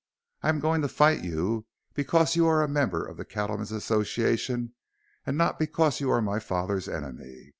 I am going to fight you because you are a member of the Cattlemen's Association and not because you were my father's enemy.